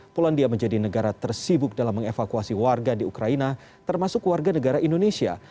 polandia menjadi negara tersibuk dalam mengevakuasi warga di ukraina termasuk warga negara indonesia